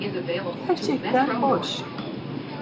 Gerçekten hoş.